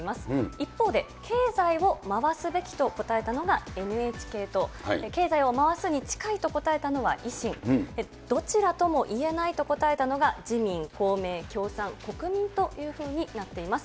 一方で、経済を回すべきと答えたのがＮＨＫ党、経済を回すに近いと答えたのは維新、どちらとも言えないと答えたのが自民、公明、共産、国民というふうになっています。